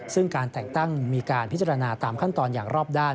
ซึ่งการแต่งตั้งมีการพิจารณาตามขั้นตอนอย่างรอบด้าน